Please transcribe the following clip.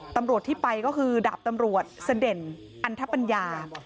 ตำรวจที่ไปก็คือดาบตำรวจเสด็จอันทปัญญา